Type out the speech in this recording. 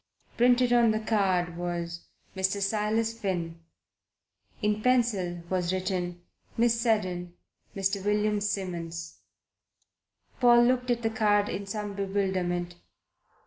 Printed on the card was, "Mr. Silas Finn." In pencil was written: "Miss Seddon, Mr. William Simmons." Paul looked at the card in some bewilderment.